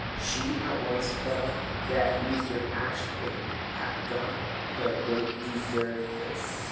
She at once felt that Mr. Ashby had done her a great disservice.